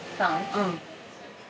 うん。